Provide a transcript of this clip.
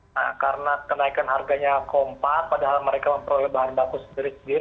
nah karena kenaikan harganya kompak padahal mereka memperoleh bahan baku sendiri sendiri